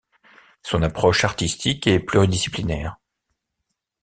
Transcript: Son approche artistique est pluridisciplinaire.